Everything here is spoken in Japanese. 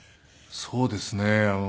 そうですね。